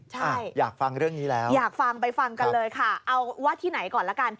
ใช่อยากฟังเรื่องนี้แล้วอยากฟังไปฟังกันเลยค่ะเอาว่าที่ไหนก่อนละกัน